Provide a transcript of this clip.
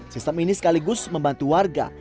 sistem ini sekaligus membantu warga